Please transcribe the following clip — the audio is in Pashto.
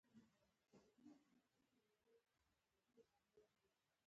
زه د ښوونځي دفتر ته ځم.